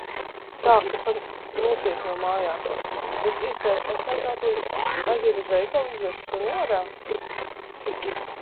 Tā, ka pa nopietno mājās. Bez iespējas pastaigāties, aiziet uz veikalu, izvest suni ārā?